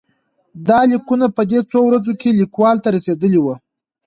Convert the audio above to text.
دا لیکونه په دې څو ورځو کې لیکوال ته رسېدلي وو.